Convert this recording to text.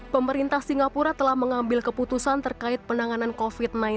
pemerintah singapura telah mengambil keputusan terkait penanganan covid sembilan belas